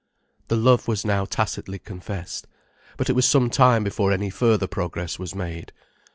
The love was now tacitly confessed. But it was some time before any further progress was made.